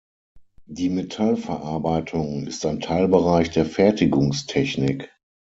Die Metallverarbeitung ist ein Teilbereich der Fertigungstechnik.